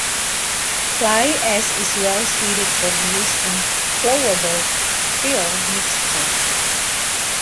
Fly ash is well suited for use in flowable fill mixtures.